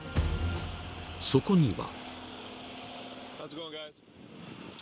［そこには］